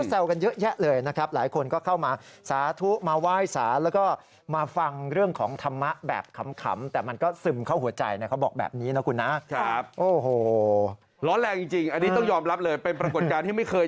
ก็แซวกันเยอะแยะเลยนะครับหลายคนก็เข้ามาสาธุมาไหว้สา